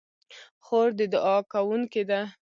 خور د دعا کوونکې ده.